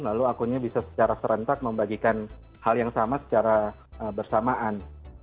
lalu akunnya bisa secara serentak membagikan hal yang sama secara bersamaan